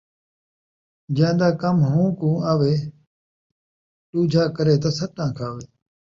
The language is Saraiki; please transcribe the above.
جین٘دا کم ہوں کوں آوے ، ݙوجھا کرے تاں سٹاں کھاوے